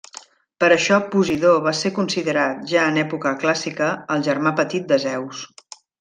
Per això Posidó va ser considerat, ja en època clàssica, el germà petit de Zeus.